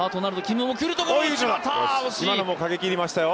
今のも、かけきりましたよ。